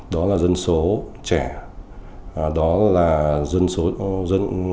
đó là dân số trẻ đó là thu nhập người dân được cải thiện tầng lớp trung lưu tăng lên